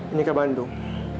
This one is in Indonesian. ini ke bandung